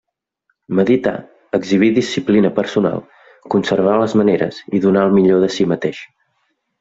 Meditar, exhibir disciplina personal, conservar les maneres i donar el millor de si mateix.